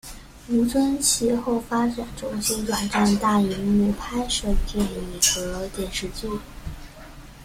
吴尊其后发展重心转战大银幕拍摄电影和电视剧。